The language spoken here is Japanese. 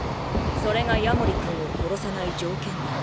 それが夜守君を殺さない条件だ。